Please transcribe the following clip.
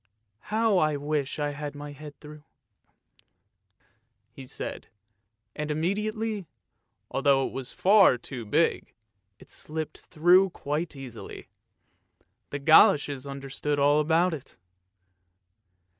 " How I wish I had my head through," he said, and imme diately, although it was far too big, it slipped through quite easily. The goloshes understood all about it.